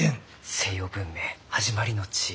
西洋文明始まりの地。